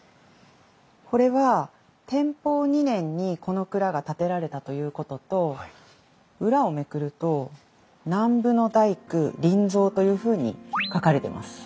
これは天保２年にこの蔵が建てられたということと裏をめくると「南部の大工林蔵」というふうに書かれてます。